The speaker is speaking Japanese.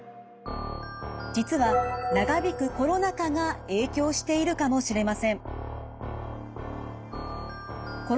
実は長引くコロナ禍が影響しているかもしれません。